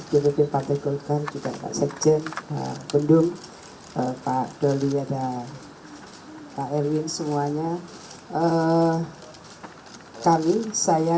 di depan tegurkan juga sejen bendung pak dolia dan pak erwin semuanya eh kami saya